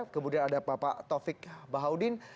kemudian ada bapak taufik bahaudin